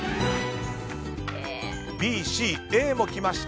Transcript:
Ｂ、ＣＡもきました。